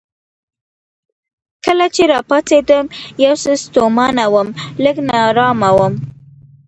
کله چې راپاڅېدم یو څه ستومانه وم، لږ نا ارامه وم.